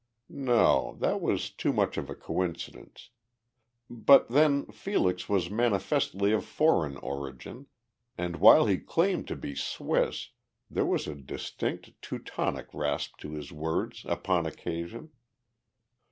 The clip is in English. No, that was too much of a coincidence. But then Felix was manifestly of foreign origin, and, while he claimed to be Swiss, there was a distinct Teutonic rasp to his words upon occasion.